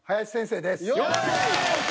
よっしゃ！